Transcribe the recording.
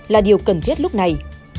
là điều cần thiết lúc này